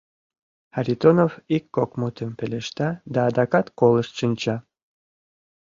Харитонов ик-кок мутым пелешта да адакат колышт шинча.